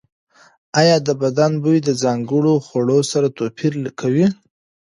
ایا د بدن بوی د ځانګړو خوړو سره توپیر کوي؟